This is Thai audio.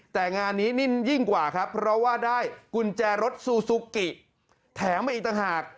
แต่งานนี้นิ่นยิ่งกว่าครับเพราะว่าได้กุญแจรถซูซูกิแถมมาอีกต่างหาก